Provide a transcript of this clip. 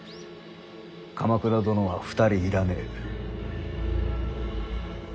鎌倉殿は２人要らねえ。